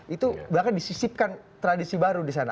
itu bahkan disisipkan tradisi baru di sana